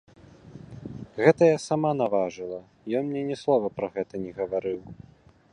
Гэта я сама наважыла, ён мне ні слова пра гэта не гаварыў.